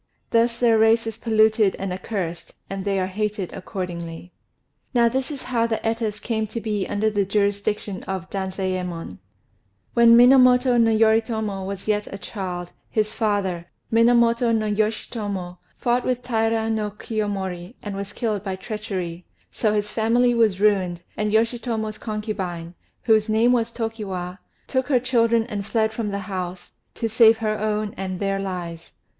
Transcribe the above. Thus their race is polluted and accursed, and they are hated accordingly. Now this is how the Etas came to be under the jurisdiction of Danzayémon: When Minamoto no Yoritomo was yet a child, his father, Minamoto no Yoshitomo, fought with Taira no Kiyomori, and was killed by treachery: so his family was ruined; and Yoshitomo's concubine, whose name was Tokiwa, took her children and fled from the house, to save her own and their lives.